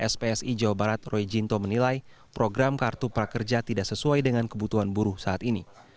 spsi jawa barat roy jinto menilai program kartu prakerja tidak sesuai dengan kebutuhan buruh saat ini